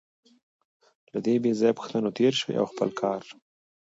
له دې بېځایه پوښتنو تېر شئ او خپل کار.